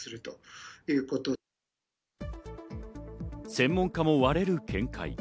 専門家も割れる見解。